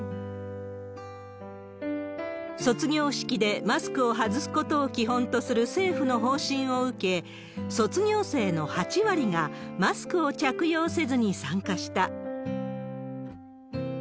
卒業式でマスクを外すことを基本とする政府の方針を受け、卒業生の８割がマスクを着用せずに参加した。